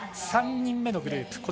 ３人目のグループ。